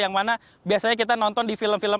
yang mana biasanya kita nonton di film film